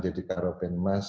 jadi karo penmas